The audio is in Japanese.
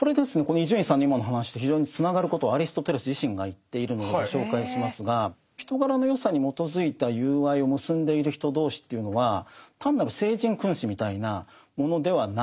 伊集院さんの今の話と非常につながることをアリストテレス自身が言っているのでご紹介しますが人柄の善さに基づいた友愛を結んでいる人同士というのは単なる聖人君子みたいなものではないんです。